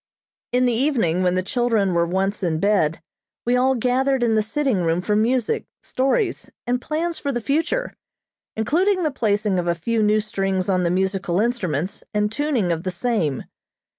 In the evening, when the children were once in bed, we all gathered in the sitting room for music, stories and plans for the future, including the placing of a few new strings on the musical instruments and tuning of the same.